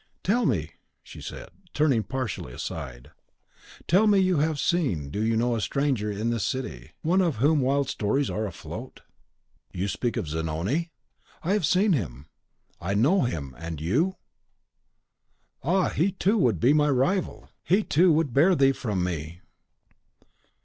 "Tell me," she said, turning partially aside, "tell me, have you seen do you know a stranger in this city, one of whom wild stories are afloat?" "You speak of Zanoni? I have seen him: I know him, and you? Ah, he, too, would be my rival! he, too, would bear thee from me!"